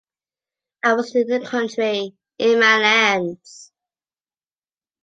I was in the country, in my lands...